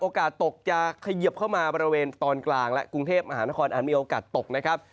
กาสตกจะเขยิบเข้ามาบริเวณตอนกลางและกรุงเทพมหานครอาจมีโอกาสตกนะครับ